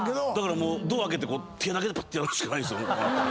ドア開けて手だけでパッてやるしかないですよ。